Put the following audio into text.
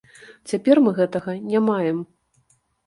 Цяпер мы гэтага не маем.